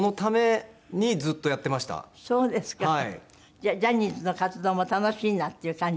じゃあジャニーズの活動も楽しいなっていう感じ？